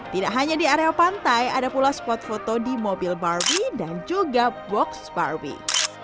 tidak hanya di area pantai ada pula spot foto di mobil barbie dan juga box barbie